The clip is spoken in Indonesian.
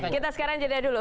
kita sekarang jeda dulu